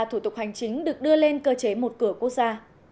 ba mươi ba thủ tục hành chính được đưa lên cơ chế một cửa quốc gia